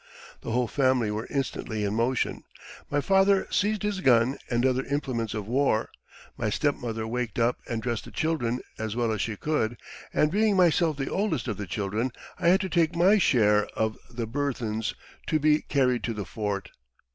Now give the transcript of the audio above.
The whole family were instantly in motion: my father seized his gun and other implements of war; my stepmother waked up and dressed the children as well as she could; and being myself the oldest of the children, I had to take my share of the burthens to be carried to the fort.